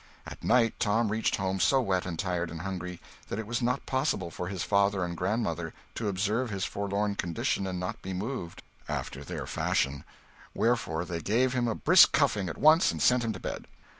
At night Tom reached home so wet and tired and hungry that it was not possible for his father and grandmother to observe his forlorn condition and not be moved after their fashion; wherefore they gave him a brisk cuffing at once and sent him to bed.